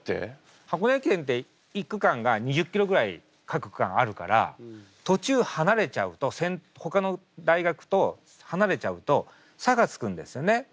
箱根駅伝って１区間が２０キロぐらい各区間あるから途中離れちゃうとほかの大学と離れちゃうと差がつくんですよね。